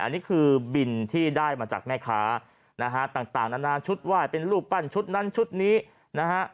อันนี้คือบินที่ได้มาจากแม่ค้านะฮะต่างนานาชุดไหว้เป็นรูปปั้นชุดนั้นชุดนี้นะฮะ